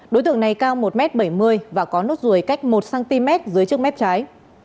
đối tượng này cao một m bảy mươi và có nốt ruồi cách một cm dưới trước mép trái